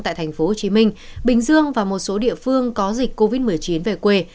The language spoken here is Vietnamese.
tại thành phố hồ chí minh bình dương và một số địa phương có dịch covid một mươi chín về quê